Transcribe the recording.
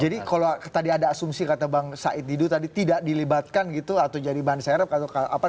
jadi kalau tadi ada asumsi kata bang said didu tadi tidak dilibatkan gitu atau jadi bahan serep atau apa